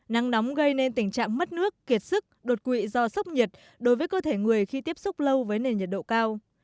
nắng nóng gây nên tình trạng mất nước kiệt sức đột quỵ do sốc nhiệt đối với cơ thể người khi tiếp xúc lâu với nền nhiệt độ cao